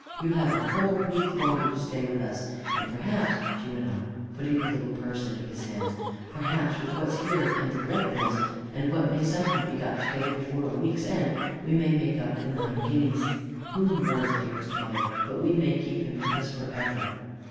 You have a whole week longer to stay with us; and perhaps," she went on, putting her little purse into his hands "perhaps with what's here, and the bread bills, and what may somehow be got together before a week's at an end, we may make up the nine guineas. Who knows, dearest mother, but we may keep him with us for ever!"